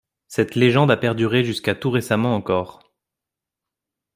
Cette légende a perduré jusqu'à tout récemment encore.